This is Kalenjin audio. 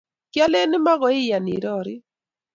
kialeni mokoyain irorii.